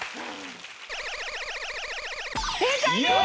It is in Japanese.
正解です！